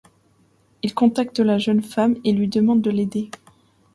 Il contacte la jeune femme et lui demande de l'aider.